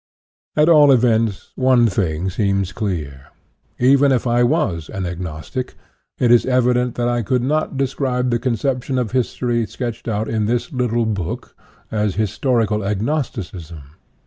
At all events, one thing seems clear: even if I was an agnostic, it is evident that I could not describe the conception of history sketched out in this little book, as " historical agnosticism."